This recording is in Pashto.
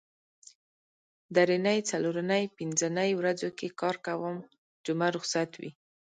درېنۍ څلورنۍ پینځنۍ ورځو کې کار کوم جمعه روخصت وي